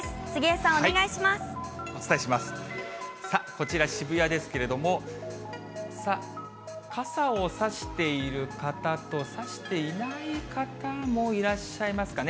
さあ、こちら、渋谷ですけれども、傘を差している方と差していない方もいらっしゃいますかね。